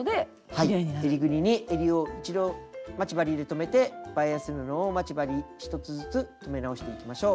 はいえりぐりにえりを一度待ち針で留めてバイアス布を待ち針１つずつ留め直していきましょう。